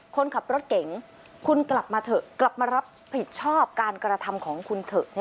คนขับรถเก๋งคุณกลับมาเถอะกลับมารับผิดชอบการกระทำของคุณเถอะ